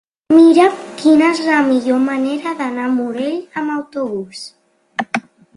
Mira'm quina és la millor manera d'anar al Morell amb autobús.